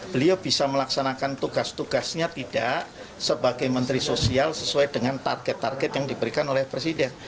beliau bisa melaksanakan tugas tugasnya tidak sebagai menteri sosial sesuai dengan target target yang diberikan oleh presiden